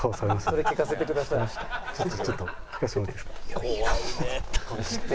ちょっと聞かせてもらっていいですか？